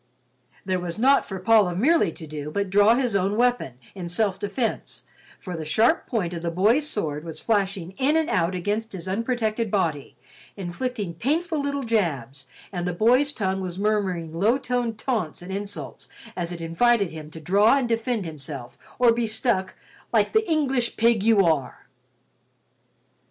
There was naught for Paul of Merely to do but draw his own weapon, in self defense, for the sharp point of the boy's sword was flashing in and out against his unprotected body, inflicting painful little jabs, and the boy's tongue was murmuring low toned taunts and insults as it invited him to draw and defend himself or be stuck "like the English pig you are."